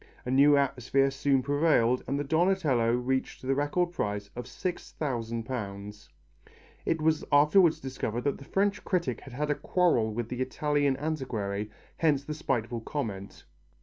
A new atmosphere soon prevailed and the Donatello reached the record price of £6000. It was afterwards discovered that the French critic had had a quarrel with the Italian antiquary, hence the spiteful comment.